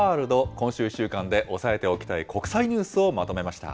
今週１週間で押さえておきたい国際ニュースをまとめました。